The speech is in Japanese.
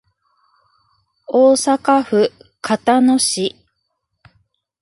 大阪府交野市